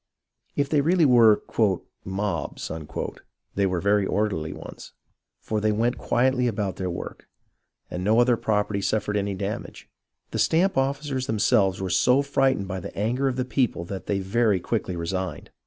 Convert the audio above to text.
If they really were "mobs," they were very orderly ones ; for they went quietly about their work, and no other property suffered any damage. The stamp officers themselves were so frightened by the anger of the people that they very quickly resigned.